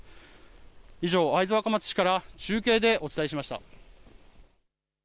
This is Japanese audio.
以上、会津若松市から中継でお伝えしました。